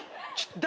誰？